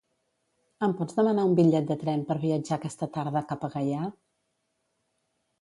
Em pots demanar un bitllet de tren per viatjar aquesta tarda cap a Gaià?